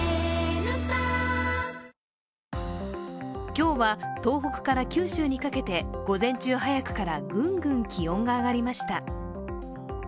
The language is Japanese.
今日は東北から九州にかけて午前中早くからグングン気温が上がりました。